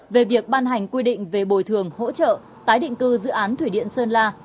về việc ban hành quy định về bồi thường hỗ trợ tái định cư dự án thủy điện sơn la